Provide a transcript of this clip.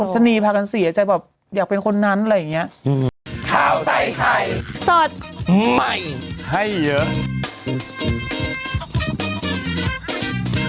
ชนีพากันเสียใจแบบอยากเป็นคนนั้นอะไรอย่างเงี้ย